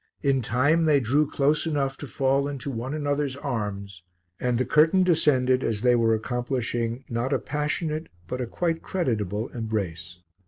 In time they drew close enough to fall into one another's arms, and the curtain descended as they were accomplishing not a passionate but a quite creditable embrace.